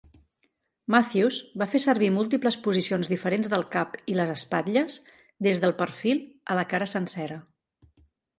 Matthews va fer servir múltiples posicions diferents del cap i les espatlles, des del perfil a la cara sencera.